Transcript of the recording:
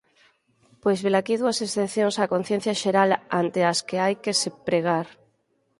Pois velaquí dúas excepcións á conciencia xeral ante as que hai que se pregar.